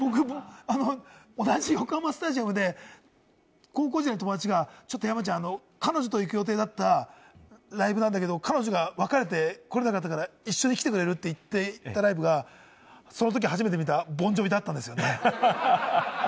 同じ横浜スタジアムで、高校時代、友達がちょっと山ちゃん、彼女と行く予定だったライブなんだけど、彼女と別れて来られなくなったから一緒に来てくれる？って言ったライブがそのとき初めて見たのがボン・ジョヴィだったんですよね。